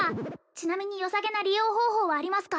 ちなみによさげな利用方法はありますか？